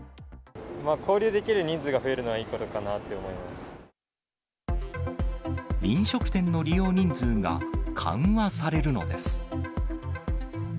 交流できる人数が増えるのは飲食店の利用人数が緩和されるのです。